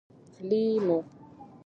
🍋 لېمو